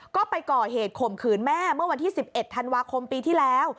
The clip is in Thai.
ก็ไปก่อเหตุข่มขืนแม่เมื่อวันที่๑๑ธันวาคมปีที่แล้ว